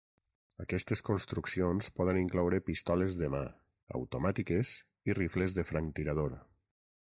Aquestes construccions poden incloure pistoles de mà, automàtiques i rifles de franctirador.